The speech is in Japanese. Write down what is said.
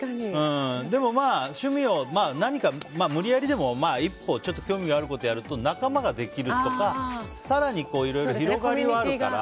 でも、趣味を何か無理矢理でも１歩興味があることをやると仲間ができるとか更に広がりはあるから。